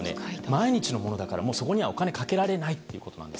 毎日のものだからそこにはお金をかけられないと。